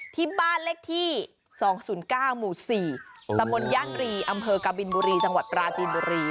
ที่บ้านเลขที่๒๐๙หมู่๔ตะมนตย่านรีอำเภอกบินบุรีจังหวัดปราจีนบุรี